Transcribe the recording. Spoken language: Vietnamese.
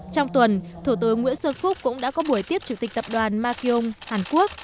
trong tuần thủ tướng nguyễn xuân phúc cũng đã có buổi tiếp chủ tịch tập đoàn makeong hàn quốc